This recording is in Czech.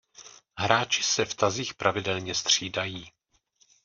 Hráči se v tazích pravidelně střídají.